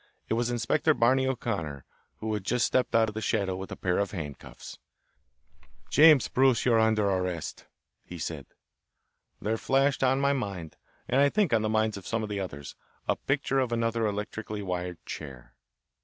It was Inspector Barney O'Connor, who had stepped out of the shadow with a pair of hand cuffs. "James Bruce, you are under arrest," he said. There flashed on my mind, and I think on the minds of some of the others, a picture of another electrically wired chair.